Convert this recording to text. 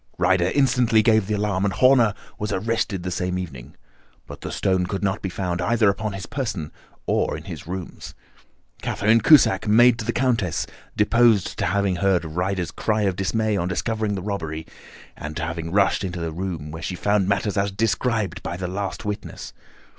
Ryder instantly gave the alarm, and Horner was arrested the same evening; but the stone could not be found either upon his person or in his rooms. Catherine Cusack, maid to the Countess, deposed to having heard Ryder's cry of dismay on discovering the robbery, and to having rushed into the room, where she found matters as described by the last witness.